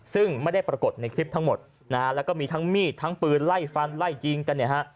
ซึ่งไม่ได้ปรากฏในคลิปทั้งหมดนะฮะแล้วก็มีทั้งมีดทั้งปืนไล่ฟันไล่ยิงกันเนี่ยฮะ